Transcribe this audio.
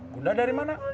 bunda dari mana